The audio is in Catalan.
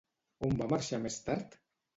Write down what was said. On va marxar més tard?